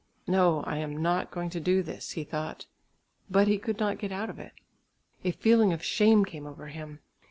"No, I am not going to do this," he thought, but he could not get out of it. A feeling of shame came over him.